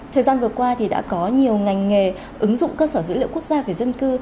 thời gian vừa qua thì đã có nhiều ngành nghề ứng dụng cơ sở dữ liệu quốc gia về dân cư